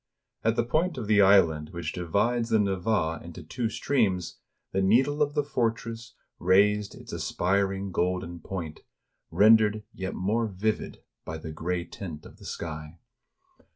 At the point of the island which divides the Neva into two streams, the needle of the fortress raised its aspiring golden point, rendered yet more vivid by the gray tint of the sky.